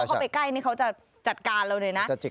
เข้าไปใกล้นี่เขาจะจัดการเราเลยนะ